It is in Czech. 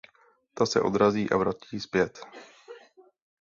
Ta se odrazí a vrátí zpět.